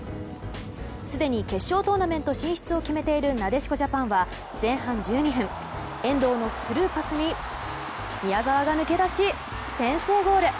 すでに決勝トーナメント進出を決めている、なでしこジャパンは前半１２分、遠藤のスルーパスに宮澤が抜け出し先制ゴール！